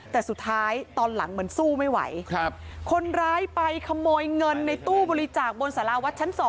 แต่สุดท้ายตอนหลังเหมือนสู้ไม่ไหวคนร้ายไปขโมยเงินในตู้บริจาคบนสาราวัดชั้น๒